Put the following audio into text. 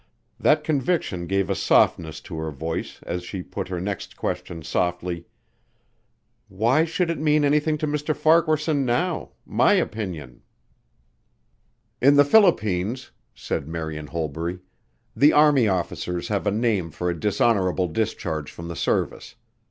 That conviction gave a softness to her voice as she put her next question softly. "Why should it mean anything to Mr. Farquaharson now my opinion?" "In the Philippines," said Marian Holbury, "the army officers have a name for a dishonorable discharge from the service.